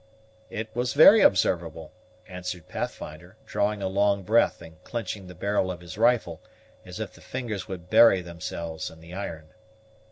"It was very observable," answered Pathfinder, drawing a long breath and clenching the barrel of his rifle as if the fingers would bury themselves in the iron.